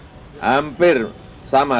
jadi kita harus mencari pengalaman yang ilmiah